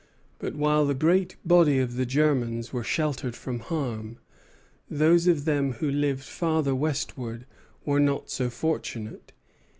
But while the great body of the Germans were sheltered from harm, those of them who lived farther westward were not so fortunate.